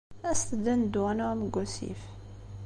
Aset-d ad neddu ad nɛum deg wasif.